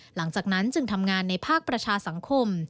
หลังจากนั้นจึงทำงานในภาคประชาสังคม